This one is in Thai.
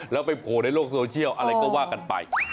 แล้วไปโผล่ในโลกโซเชียลอะไรก็ว่ากันไป